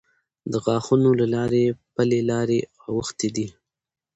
د غاښو له لارې پلې لارې اوښتې دي.